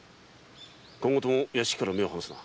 今後とも屋敷から目を離すな。